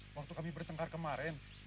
waktu kami bertengkar kemarin